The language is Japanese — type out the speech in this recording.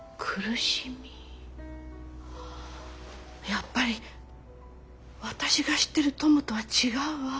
やっぱり私が知ってるトモとは違うわ。